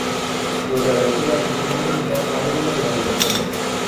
Los de aventura se suelen limitar a un número de habitaciones.